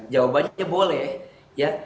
jawabannya boleh ya